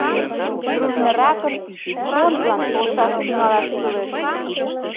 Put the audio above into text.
Дружныракын фронтлан полшаш тӱҥалаш кӱлеш.